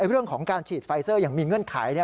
เรื่องของการฉีดไฟเซอร์อย่างมีเงื่อนไข